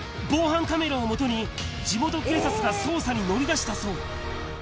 防犯カメラを基に、地元警察が捜査に乗り出したそう。